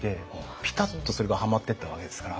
ピタッとそれがハマってったわけですから。